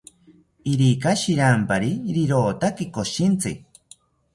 Irika shirampari rirotaki koshintzi